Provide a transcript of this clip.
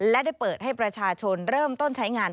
และได้เปิดให้ประชาชนเริ่มต้นใช้งาน